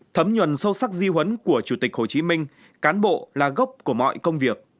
thấm nhuần sâu sắc di huấn của chủ tịch hồ chí minh cán bộ là gốc của mọi công việc